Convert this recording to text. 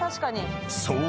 ［そう。